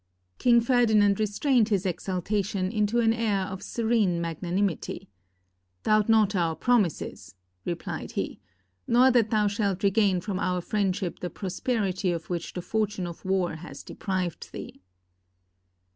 King Ferdinand restrained his exultation into an air of serene magnanimity. "Doubt not our promises," replied he, "nor that thou shalt regain from our friend ship the prosperity of which the fortune of war has deprived thee."